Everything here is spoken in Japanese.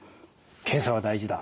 検査が大事だ。